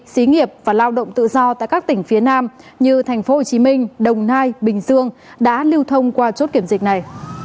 xí nghiệp và lao động tự do tại các tỉnh phía nam như tp hcm đồng nai bình dương đã lưu thông qua chốt kiểm dịch này